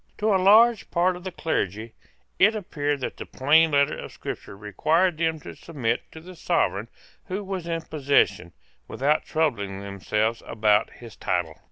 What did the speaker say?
To a large part of the clergy it appeared that the plain letter of Scripture required them to submit to the Sovereign who was in possession, without troubling themselves about his title.